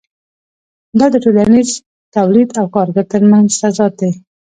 دا د ټولنیز تولید او کارګر ترمنځ تضاد دی